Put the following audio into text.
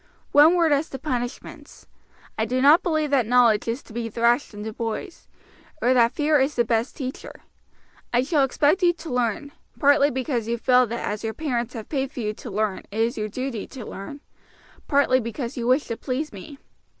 "One word as to punishments. I do not believe that knowledge is to be thrashed into boys, or that fear is the best teacher. I shall expect you to learn, partly because you feel that as your parents have paid for you to learn it is your duty to learn, partly because you wish to please me.